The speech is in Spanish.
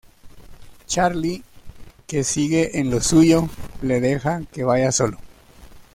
Charlie, que sigue en lo suyo le deja que vaya solo.